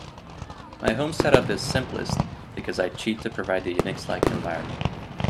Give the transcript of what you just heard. My home set up is simplest, because I cheat to provide a UNIX-like environment.